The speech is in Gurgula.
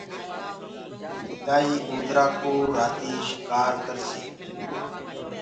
ٻلآئيٚ اُوندرآ ڪو رآتي شِڪآر ڪرسي۔